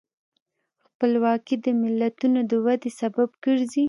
خپلواکي د ملتونو د ودې سبب ګرځي.